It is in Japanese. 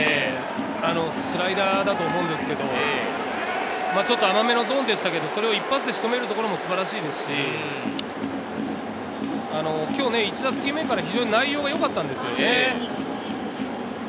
スライダーだと思うんですけど、甘めのゾーンでしたけど、それを一発で仕留める所も素晴らしいですし、今日、１打席目から非常に内容がよかったですよね。